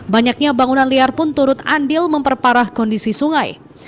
banyaknya bangunan liar pun turut andil memperparah kondisi sungai